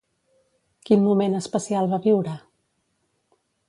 Quin moment especial va viure?